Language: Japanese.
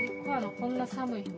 こんな寒い日に。